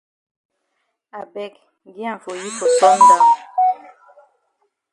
I beg gi am for yi for sun down.